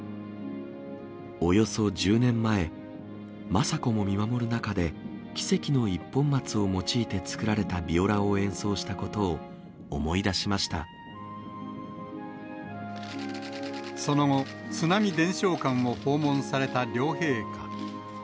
およそ１０年前、雅子も見守る中で、奇跡の一本松を用いて作られたビオラを演奏したことを思い出しまその後、津波伝承館を訪問された両陛下。